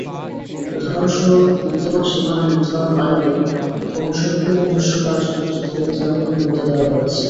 উদাহরণস্বরূপ বিদ্যমান সীমানা নির্ধারণ আইনে কমিশনকে নিজস্ব কার্যপদ্ধতি নির্ধারণের ক্ষমতা দেওয়া হয়েছে।